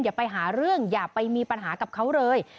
อย่าไปหาเรื่องอย่าไปมีปัญหากับเขาเลย